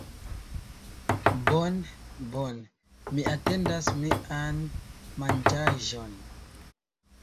Bone, bone, mi atendas mian... manĝaĵon?